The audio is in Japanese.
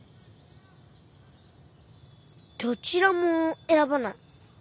どちらも選ばない。